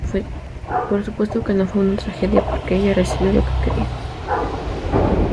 Por supuesto que no fue una tragedia, porque ella recibió lo que quería.